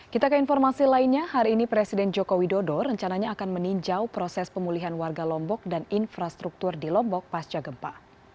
kita ke informasi lainnya hari ini presiden joko widodo rencananya akan meninjau proses pemulihan warga lombok dan infrastruktur di lombok pasca gempa